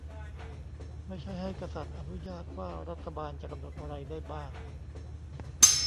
ไม่ใช่ให้กษัตริย์อนุญาตว่ารัฐบาลจะกำหนดอะไรได้บ้าง